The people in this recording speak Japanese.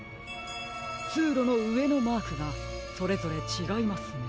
つうろのうえのマークがそれぞれちがいますね。